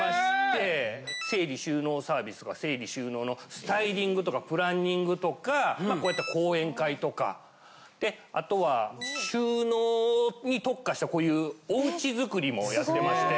整理収納サービスとか整理収納のスタイリングとかプランニングとかこういった講演会とかあとは収納に特化したこういうおうちづくりもやってまして。